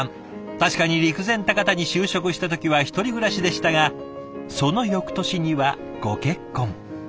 確かに陸前高田に就職した時は１人暮らしでしたがその翌年にはご結婚。